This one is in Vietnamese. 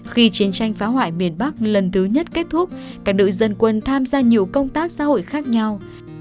khi chiến tranh phá hoại miền bắc lần thứ nhất kết thúc cả đội dân quân tham gia nhiều công tác xã hội khác nhau